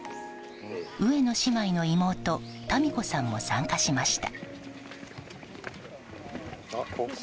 上野姉妹の妹・タミ子さんも参加しました。